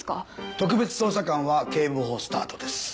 特別捜査官は警部補スタートです。